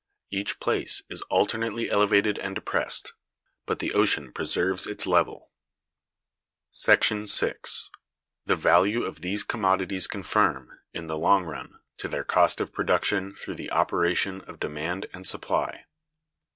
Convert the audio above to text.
Each place is alternately elevated and depressed; but the ocean preserves its level. § 6. The Value of these Commodities confirm, in the long run, to their Cost of Production through the operation of Demand and Supply.